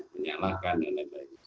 menyalakan dan lain lainnya